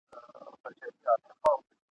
په توبه توبه زاهد کړمه مجبوره ..